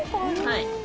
はい。